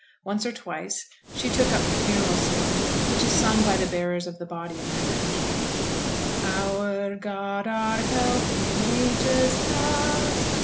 Once or twice she took up the funeral psalm which is sung by the bearers of the body in that country Our God, our help in ages past.